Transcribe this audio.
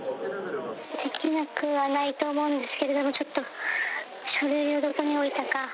できなくはないと思うんですけれども、ちょっと、書類をどこに置いたか。